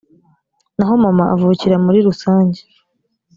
naho mama avukira muri rusanjye